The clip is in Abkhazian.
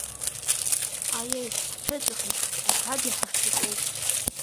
Аиеи, ҳҽыҵәахны, аҭабиа ҳашҭатәоу.